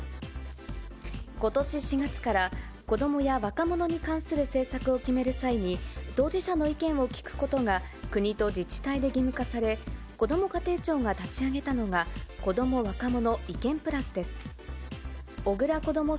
ことし４月から、子どもや若者に関する政策を決める際に、当事者の意見をきくことが、国と自治体で義務化され、こども家庭庁が立ち上げたのが、こども若者